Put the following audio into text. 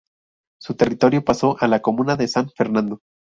Su territorio pasó a la comuna de San Fernando.